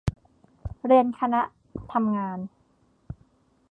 เรียนคณะทำงาน